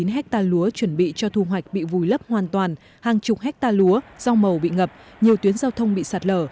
chín hectare lúa chuẩn bị cho thu hoạch bị vùi lấp hoàn toàn hàng chục hectare lúa rong màu bị ngập nhiều tuyến giao thông bị sạt lở